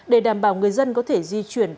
để đảm bảo người dân có thể di chuyển